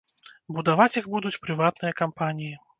Будаваць іх будуць прыватныя кампаніі.